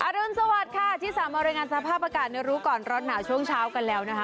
อรุณสวัสดิ์ค่ะที่สามารถรายงานสภาพอากาศในรู้ก่อนร้อนหนาวช่วงเช้ากันแล้วนะคะ